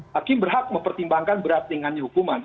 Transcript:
hakim berhak mempertimbangkan berat ringannya hukuman